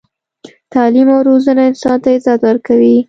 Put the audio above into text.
تعلیم او روزنه انسان ته عزت ورکوي.